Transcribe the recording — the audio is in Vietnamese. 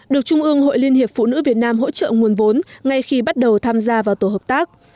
được trung ương hội liên hiệp phụ nữ việt nam hỗ trợ nguồn vốn ngay khi bắt đầu tham gia vào tổ hợp tác